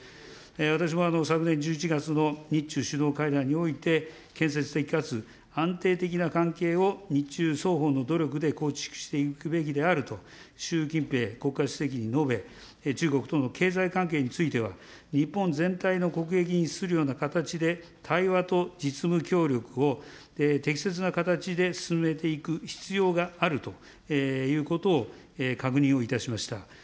私も昨年１１月の日中首脳会談において建設的かつ安定的な関係を日中双方の努力で構築していくべきであると、習近平国家主席に述べ、中国との経済関係については、日本全体の国益に資するような形で対話と実務協力を適切な形で進めていく必要があるということを確認をいたしました。